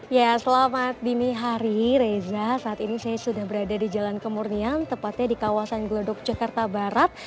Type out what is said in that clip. ya selamat dini hari reza saat ini saya sudah berada di jalan kemurnian tepatnya di kawasan glodok jakarta barat